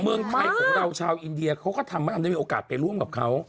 เมืองไทยของเราชาวอินเดียเขาก็ทำให้เราได้มีโอกาสไปร่วมกับเขา